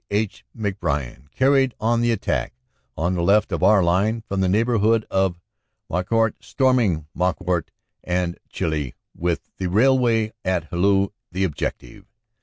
H. McBricn, carried on the attack on the left of our line from the neighborhood of Meharicourt, storming Maucourt and Chilly with the railway at Hallu the objective.